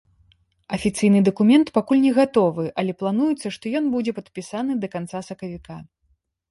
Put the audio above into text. Афіцыйны дакумент пакуль не гатовы, але плануецца, што ён будзе падпісаны да канца сакавіка.